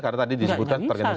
karena tadi disebutkan